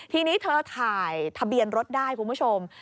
ทีนี้เธอถ่ายทะเบียนรถได้คุณผู้ชม